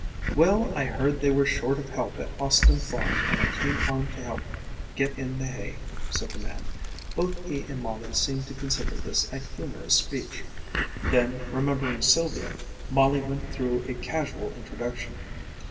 "Well, I heard they were short of help at Austin Farm and I came on to help get in the hay," said the man. Both he and Molly seemed to consider this a humorous speech. Then, remembering Sylvia, Molly went through a casual introduction.